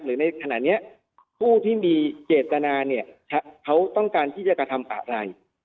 ในขณะนี้ผู้ที่มีเจตนาเนี่ยเขาต้องการที่จะกระทำอะไร